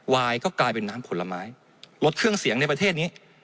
วายก็กลายเป็นน้ำผลไม้ลดเครื่องเสียงในประเทศนี้